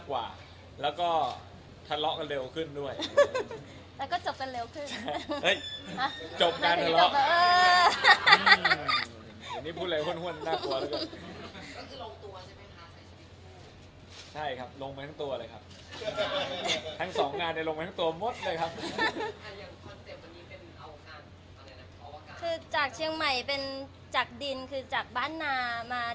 แบบแต่งงานบ้าง